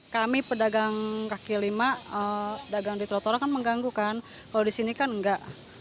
kami pedagang kaki lima dagang di trotoar kan mengganggu kan kalau di sini kan enggak